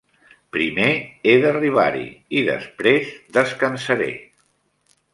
Primer he d'arribar-hi i després descansaré.